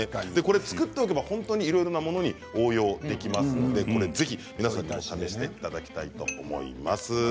作っておけば本当にいろいろなものに応用できますのでぜひ皆さん試していただきたいと思います。